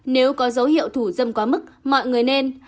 nếu có dấu hiệu thủ dâm quá mức mọi người nên